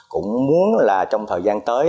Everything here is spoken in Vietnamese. cũng muốn là trong thời gian tới